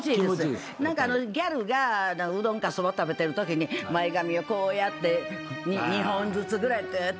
何かギャルがうどんかそば食べてるときに前髪をこうやって２本ずつぐらいぐーって。